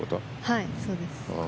はい、そうです。